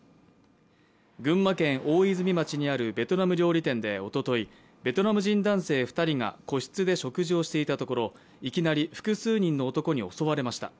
群馬県大泉町にあるベトナム料理店でおととい、ベトナム人男性２人が個室で食事をしていたところいきなり複数人の男に襲われました。